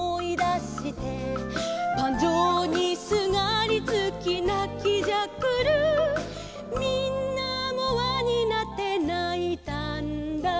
「バンジョーにすがりつきなきじゃくる」「みんなもわになってないたんだ」